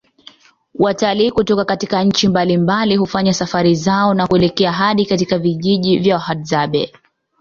Watalii kutoka nchi mbalimbali hufanya safari zao na kuelekea hadi katika vijiji vya wahadzabe